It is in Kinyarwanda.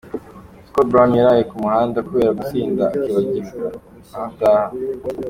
Scott Brown yaraye ku muhanda kubera gusinda akibagirwa aho ataha.